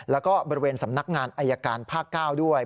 แล้วก็บริเวณสำนักงานอายการภาค๙ด้วย